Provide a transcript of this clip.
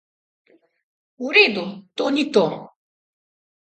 V redu, to ni to.